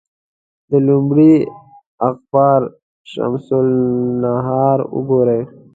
د لومړي اخبار شمس النهار وګوري.